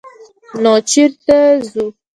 _نو چېرته ځو؟